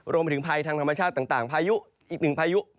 รวมถึงภัยทางธรรมชาติต่างอีก๑ภายุ